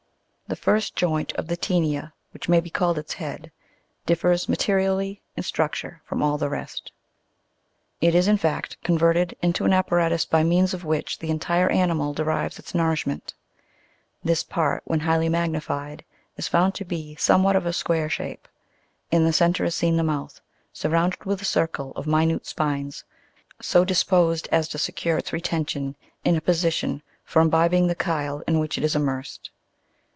The first joint of the Tse'nia, which may be called its head, differs materially in structure from all the rest; it is in fact converted into an apparatus by means of which the entire animal derives its nourishment. This part, when highly magnified, is found to be somewhat of a square shape; in the centre is seen the mouth, surrounded with a circle of minute spines, so disposed as to secure its retention in a position for imbibing the chyle in which it is immersed.